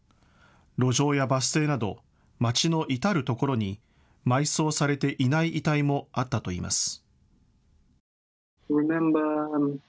路上やバス停など町の至る所に埋葬されていない遺体もあったといいます。